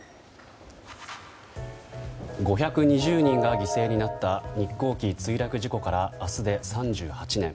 ５２０人が犠牲になった日航機墜落事故から明日で３８年。